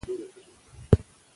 هغه وویل چې غږ مهم دی.